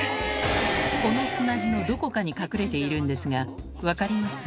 この砂地のどこかに隠れているんですが分かります？